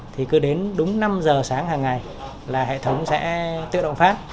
thì cứ đến đúng năm giờ sáng hàng ngày là hệ thống sẽ tự động phát